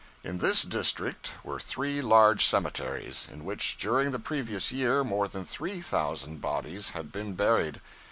In this district were three large cemeteries, in which during the previous year more than three thousand bodies had been buried.